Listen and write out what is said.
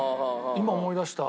今思い出した。